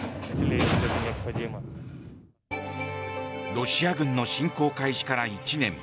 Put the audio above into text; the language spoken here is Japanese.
ロシア軍の侵攻開始から１年。